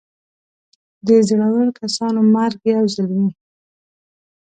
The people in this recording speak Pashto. د زړور کسانو مرګ یو ځل وي.